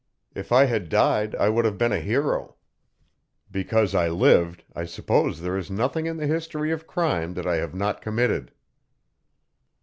If I had died I would have been a hero; because I lived I suppose there is nothing in the history of crime that I have not committed."